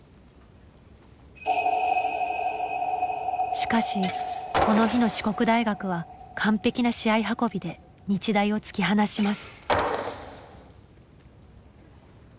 しかしこの日の四国大学は完璧な試合運びで日大を突き放します。